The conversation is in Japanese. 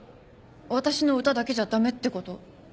私の歌だけじゃ駄目ってこと？